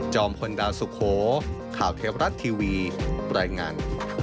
จอมคนดาวสุโขข่าวเทพรัชทีวีปรายงาน